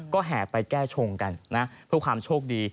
ก็แห่ไปแก้ชงกันนะเพื่อความโชคดี